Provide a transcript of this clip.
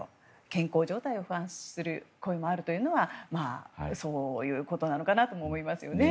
健康状態を不安視する声もあるというのはそういうことなのかなとも思いますよね。